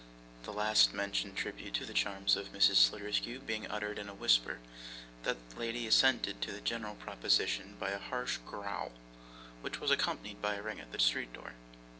The last mentioned tribute to the charms of Mrs. Sliderskew being uttered in a whisper, that lady assented to the general proposition by a harsh growl, which was accompanied by a ring at the street door.